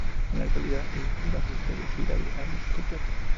En la actualidad es el bajista de gira de Alice Cooper.